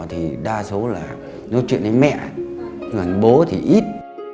thì đa số là nói chuyện với mẹ còn bố thì ít